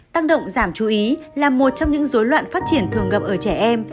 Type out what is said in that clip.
tăng động giảm chú ý là một trong những dối loạn phát triển thường gặp ở trẻ em